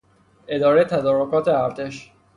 اداره تدارکات ارتش